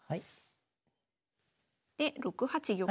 で６八玉。